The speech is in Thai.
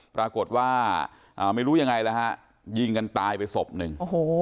ปรากฏว่าไม่รู้ยังไงแล้วฮะยิงกันตายไปศพหนึ่งโอ้โห